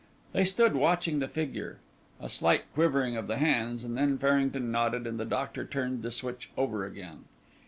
They stood watching the figure. A slight quivering of the hands and then Farrington nodded and the doctor turned the switch over again.